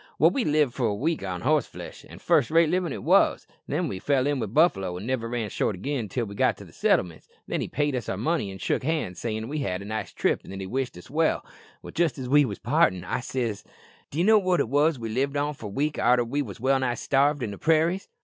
"Well, we lived for a week on horseflesh, an' first rate livin' it wos; then we fell in with buffalo, an' niver ran short again till we got to the settlements, when he paid us our money an' shook hands, sayin' we'd had a nice trip, an' he wished us well. Jist as we wos partin' I said, says I, 'D'ye know what it wos we lived on for a week arter we wos well nigh starved in the prairies?'"